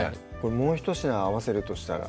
もうひと品合わせるとしたら？